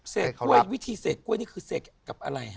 กล้วยวิธีเสกกล้วยนี่คือเสกกับอะไรฮะ